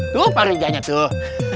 tuh pak rizanya tuh